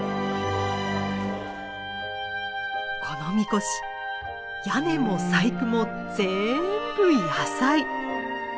この神輿屋根も細工もぜんぶ野菜。